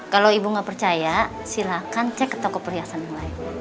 kalau ibu nggak percaya silakan cek ke toko perhiasan yang lain